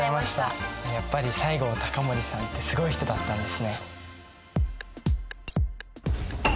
やっぱり西郷隆盛さんってすごい人だったんですね。